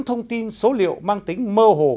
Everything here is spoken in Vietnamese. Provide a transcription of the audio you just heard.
thông tin số liệu mang tính mơ hồ